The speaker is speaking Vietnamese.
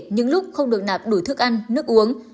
những lúc không được nạp đủ thức ăn nước uống